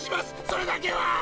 それだけは！